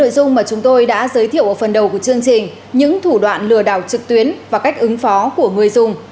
nội dung mà chúng tôi đã giới thiệu ở phần đầu của chương trình những thủ đoạn lừa đảo trực tuyến và cách ứng phó của người dùng